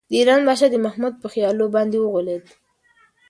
د ایران پادشاه د محمود په حيلو باندې وغولېد.